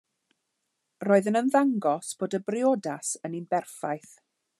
Roedd yn ymddangos bod y briodas yn un berffaith.